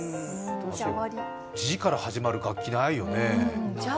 「じ」から始まる楽器、ないよね。